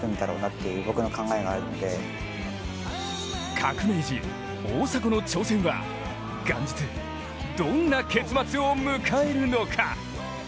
革命児・大迫の挑戦は元日、どんな結末を迎えるのか。